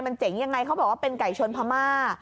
มันเจ๋งยังไงเขาบอกว่าเป็นไก่ชนพม่า